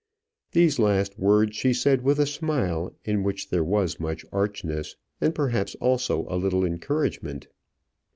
These last words she said with a smile in which there was much archness, and perhaps also a little encouragement.